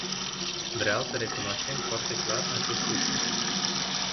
Vreau să recunoaștem foarte clar acest lucru.